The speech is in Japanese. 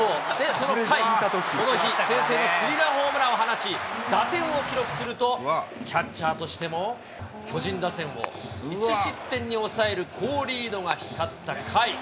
その甲斐、先制のスリーランホームランを放ち、打点を記録するとキャッチャーとしても巨人打線を１失点に抑える好リードが光った甲斐。